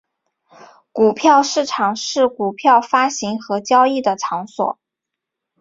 股票市场是股票发行和交易的场所。